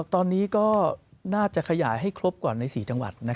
ตอนนี้ก็น่าจะขยายให้ครบก่อนใน๔จังหวัด